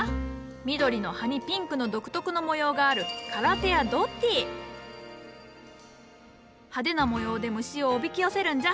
緑の葉にピンクの独特の模様がある派手な模様で虫をおびき寄せるんじゃ。